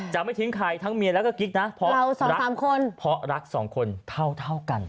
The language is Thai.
จะไม่ทิ้งใครทั้งเมียแล้วก็กิ๊กนะเพราะรัก๒คนเพราะรัก๒คนเท่ากัน